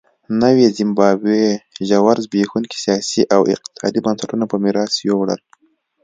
نوې زیمبابوې ژور زبېښونکي سیاسي او اقتصادي بنسټونه په میراث یووړل.